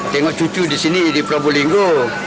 tengok cucu disini di prabu linggo